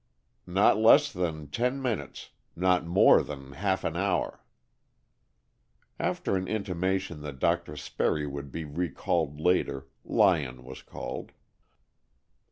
"Not less than ten minutes. Not more than half an hour." After an intimation that Dr. Sperry would be recalled later, Lyon was called.